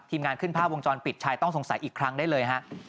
งานขึ้นภาพวงจรปิดชายต้องสงสัยอีกครั้งได้เลยฮะ